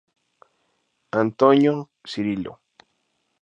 Antônio Cirilo.